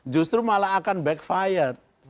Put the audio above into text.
justru malah akan backfire